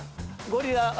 ゴリラ。